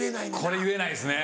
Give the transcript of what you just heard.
これ言えないですね。